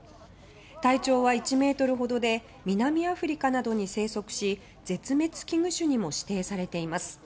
体長は１ｍほどで南アフリカなどに生息し絶滅危惧種にも指定されています。